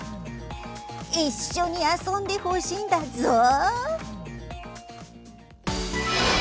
一緒に遊んでほしいんだぞう。